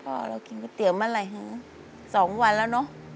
ก็เรากินก๋วยเตี๋ยวเมื่อไหร่๒วันแล้วเนอะ